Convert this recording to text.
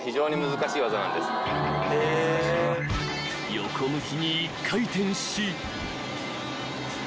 ［横向きに１回転し］